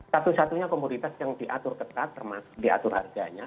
satu satunya komoditas yang diatur ketat termasuk diatur harganya